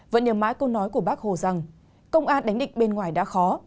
vẫn nhớ mãi câu nói của bác hồ rằng công an đánh địch bên ngoài đã khó